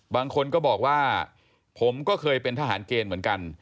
บางคนก็บอกว่าผมก็เคยเป็นทหารเกณฑ์เหมือนกัน